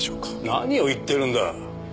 何を言ってるんだ。